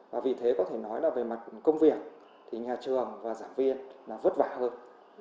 và vì thế có thể nói là về mặt công việc thì nhà trường và giảng viên là vất vả hơn